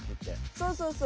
そうそうそう。